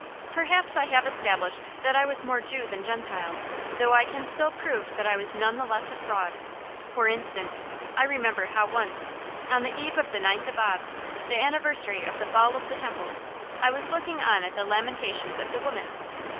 Perhaps I have established that I was more Jew than Gentile, though I can still prove that I was none the less a fraud. For instance, I remember how once, on the eve of the Ninth of Ab the anniversary of the fall of the Temple I was looking on at the lamentations of the women.